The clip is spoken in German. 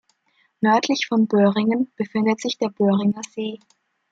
Nördlich von Böhringen befindet sich der Böhringer See.